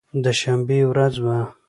د شنبې ورځ وه.